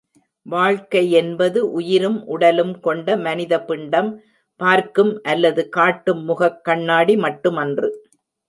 வாழ்க்கை என்பது உயிரும் உடலும் கொண்ட மனித பிண்டம், பார்க்கும் அல்லது காட்டும் முகக் கண்ணாடி மட்டுமன்று.